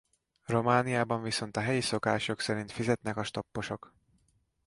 Romániában viszont a helyi szokásjog szerint fizetnek a stopposok.